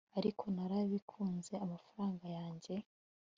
ariko narabibuze, amafaranga yanjye